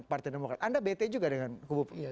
partai demokrat anda bete juga dengan kubu